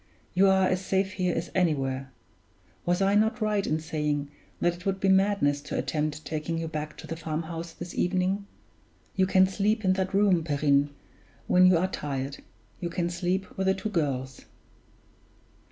"You are as safe here as anywhere. Was I not right in saying that it would be madness to attempt taking you back to the farmhouse this evening? You can sleep in that room, Perrine, when you are tired you can sleep with the two girls."